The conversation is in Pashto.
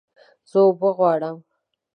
زه اوبه غواړم